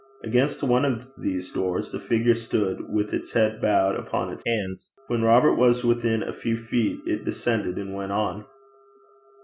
Against one of these doors the figure stood with its head bowed upon its hands. When Robert was within a few feet, it descended and went on.